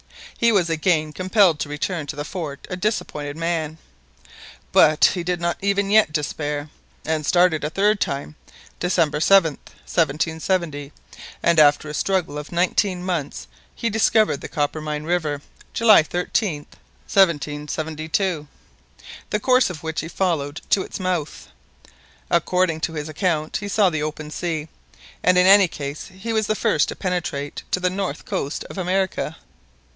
He was again compelled to return to the fort a disappointed man. But he did not even yet despair, and started a third time, December 7th, 1770; and after a struggle of nineteen months, he discovered the Coppermine river, July 13th, 1772, the course of which he followed to its mouth. According to his own account, he saw the open sea, and in any case he was the first to penetrate to the northern coast of America."